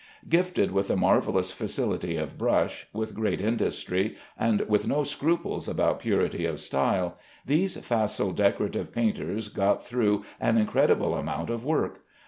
Gifted with a marvellous facility of brush, with great industry, and with no scruples about purity of style, these facile decorative painters got through an incredible amount of work.